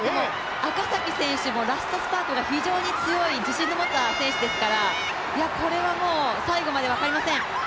赤崎選手もラストスパートが非常に強い、自信を持った選手ですからこれはもう、最後まで分かりません